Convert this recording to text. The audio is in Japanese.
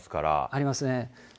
ありますね。